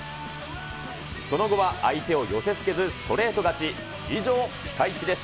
その後は相手を寄せつけず、ストレート勝ち。